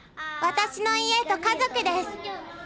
私の家と家族です。